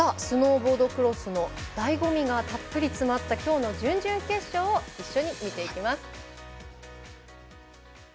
スノーボードクロスのだいご味がたっぷりつまったきょうの準々決勝を一緒に見ていきます。